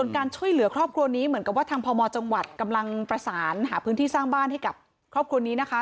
การช่วยเหลือครอบครัวนี้เหมือนกับว่าทางพมจังหวัดกำลังประสานหาพื้นที่สร้างบ้านให้กับครอบครัวนี้นะคะ